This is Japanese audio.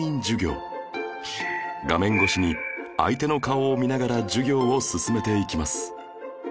画面越しに相手の顔を見ながら授業を進めていきます